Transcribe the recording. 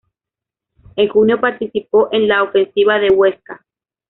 En junio participó en la Ofensiva de Huesca.